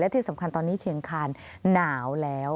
ที่สำคัญตอนนี้เชียงคานหนาวแล้ว